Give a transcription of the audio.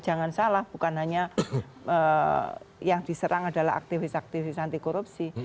jangan salah bukan hanya yang diserang adalah aktivis aktivis anti korupsi